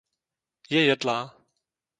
Je jedlá.